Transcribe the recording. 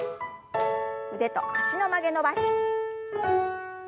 腕と脚の曲げ伸ばし。